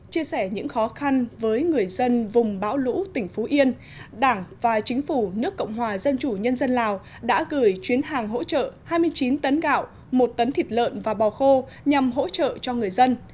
chia sẻ những khó khăn với người dân vùng bão lũ tỉnh phú yên đảng và chính phủ nước cộng hòa dân chủ nhân dân lào đã gửi chuyến hàng hỗ trợ hai mươi chín tấn gạo một tấn thịt lợn và bò khô nhằm hỗ trợ cho người dân